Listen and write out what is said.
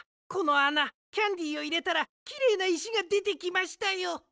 このあなキャンディーをいれたらきれいないしがでてきましたよ。